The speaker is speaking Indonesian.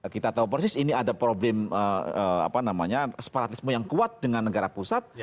kita tahu persis ini ada problem separatisme yang kuat dengan negara pusat